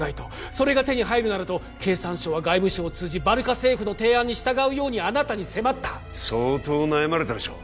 それが手に入るならと経産省は外務省を通じバルカ政府の提案に従うようにあなたに迫った相当悩まれたでしょう